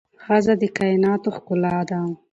ښځه د کائناتو ښکلا ده